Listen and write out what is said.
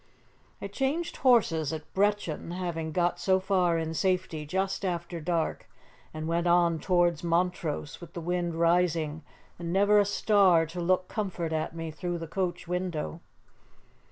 "I changed horses at Brechin, having got so far in safety just after dark, and went on towards Montrose, with the wind rising and never a star to look comfort at me through the coach window.